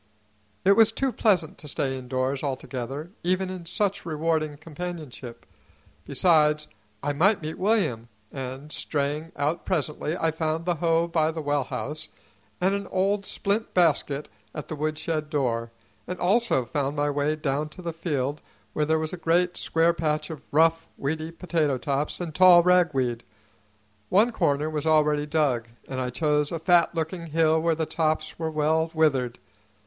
It was too pleasant to stay indoors altogether, even in such rewarding companionship; besides, I might meet William; and, straying out presently, I found the hoe by the well house and an old splint basket at the woodshed door, and also found my way down to the field where there was a great square patch of rough, weedy potato tops and tall ragweed. One corner was already dug, and I chose a fat looking hill where the tops were well withered.